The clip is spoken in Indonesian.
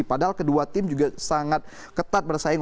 padahal kedua tim juga sangat ketat bersaing